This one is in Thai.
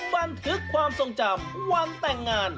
บันทึกความทรงจำวันแต่งงาน